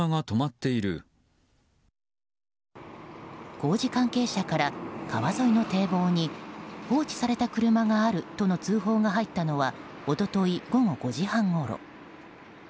工事関係者から川沿いの堤防に放置された車があるとの通報が入ったのは一昨日午後１時半ごろ。